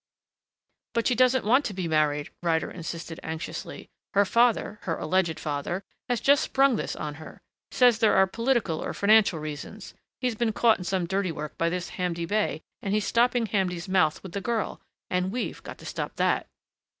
"But she doesn't want to be married," Ryder insisted anxiously. "Her father her alleged father has just sprung this on her. Says there are political or financial reasons. He's been caught in some dirty work by this Hamdi Bey and he's stopping Hamdi's mouth with the girl.... And we've got to stop that."